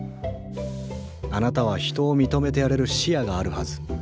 あなたは人を認めてやれる視野があるはず。